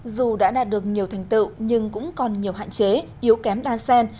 dù đã đạt được nhiều thành tựu nhưng cũng còn nhiều hạn chế yếu kém đa sen